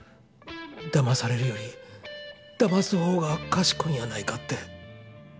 だまされるよりだます方がかしこいんやないかって。